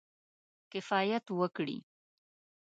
کفایت وکړي.